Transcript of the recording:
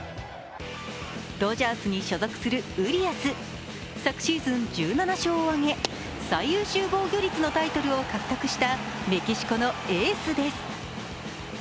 ドジャースに所属するウリアス昨シーズン１７勝を挙げ、最優秀防御率のタイトルを獲得したメキシコのエースです。